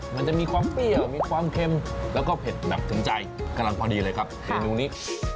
มันจะมีความเปรี้ยวมีความเค็มแล้วก็เผ็ดแบบถึงใจกำลังพอดีเลยครับเมนูนี้